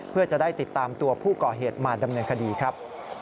เพื่อจะได้ติดตามตัวผู้ก่อเหตุมาดำเนินคดีครับ